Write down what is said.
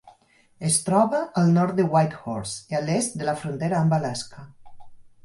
Es troba al nord de Whitehorse i a l'est de la frontera amb Alaska.